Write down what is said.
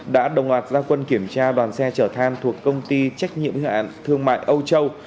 đã đồng loạt gia quân kiểm tra đoàn xe chở than thuộc công ty trách nhiệm thương mại âu châu